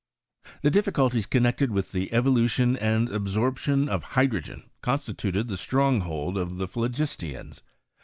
The difficulties connected with the evolution and absorption of hydrogen, con Elituted the ttron^old of the phk^istiaiis.